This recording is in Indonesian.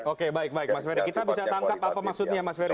oke baik baik mas ferry kita bisa tangkap apa maksudnya mas ferry